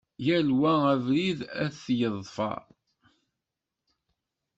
Yal wa abrid ad t-yeḍfer.